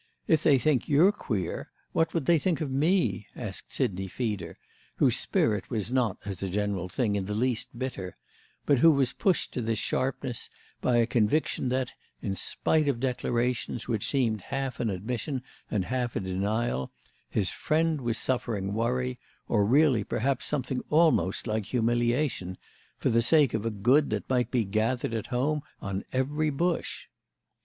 If they think you're queer what would they think of me?" asked Sidney Feeder, whose spirit was not as a general thing in the least bitter, but who was pushed to this sharpness by a conviction that—in spite of declarations which seemed half an admission and half a denial—his friend was suffering worry, or really perhaps something almost like humiliation, for the sake of a good that might be gathered at home on every bush.